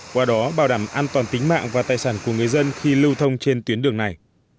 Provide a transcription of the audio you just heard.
qua đó bảo đảm an toàn tính mạng và tài sản của người dân khi lưu thông trên tuyến đường này